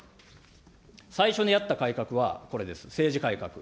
最初にやった改革は、これです、政治改革。